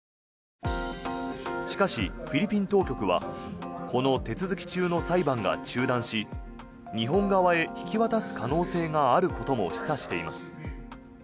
しかし、フィリピン当局はこの手続き中の裁判が中断し日本側へ引き渡す可能性があることも示唆しています。